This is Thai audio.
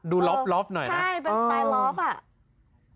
ดูล็อฟหน่อยนะใช่เป็นสายล็อฟ